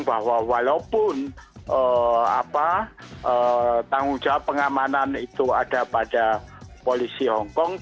bahwa walaupun tanggung jawab pengamanan itu ada pada polisi hongkong